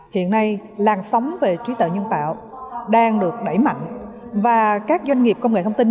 hiện nay làng sóng về trí tuệ nhân tạo đang được đẩy mạnh và các doanh nghiệp công nghệ thông tin